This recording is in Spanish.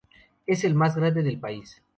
Es el más grande del país.